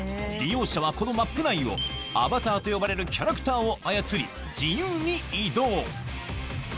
利用者はこのマップ内をアバターと呼ばれるキャラクターを操り、自由に移動。